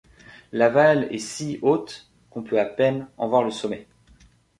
La Valhalle est si haute qu'on peut à peine en voir le sommet.